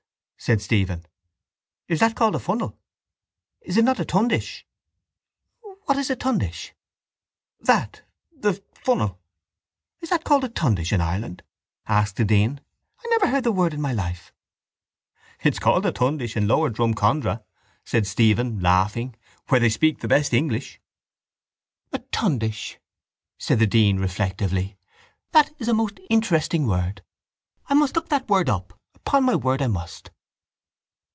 said Stephen. Is that called a funnel? Is it not a tundish? —What is a tundish? —That. The... the funnel. —Is that called a tundish in Ireland? asked the dean. I never heard the word in my life. —It is called a tundish in Lower Drumcondra, said Stephen, laughing, where they speak the best English. —A tundish, said the dean reflectively. That is a most interesting word. I must look that word up. Upon my word I must.